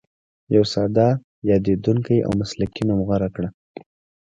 یو ساده، یادېدونکی او مسلکي نوم غوره کړه.